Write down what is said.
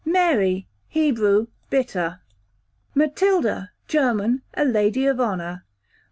Mary, Hebrew, bitter. Matilda, German, a lady of honour.